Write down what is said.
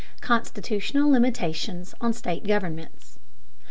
CONSTITUTIONAL LIMITATIONS ON STATE GOVERNMENTS.